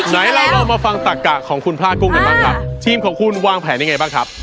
ไหนเรามาฟังตักกะของคุณพลาดกุ้งกันบ้างครับทีมของคุณวางแผนยังไงบ้างครับ